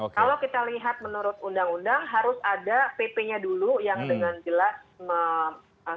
kalau kita lihat menurut undang undang harus ada pp nya dulu yang dengan jelas